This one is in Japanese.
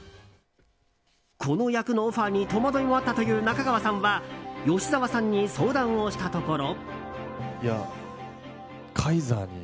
この役のオファーに戸惑いもあったという中川さんは吉沢さんに相談をしたところ。